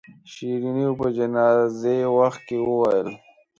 شیرینو په جنازې وخت کې وویل.